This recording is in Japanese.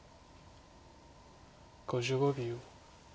５５秒。